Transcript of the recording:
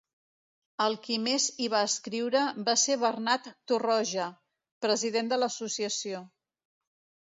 El qui més hi va escriure va ser Bernat Torroja, president de l'Associació.